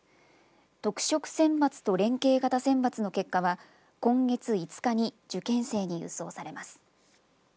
特色選抜と連携型選抜の結果は今月５日に受験生に郵送されます。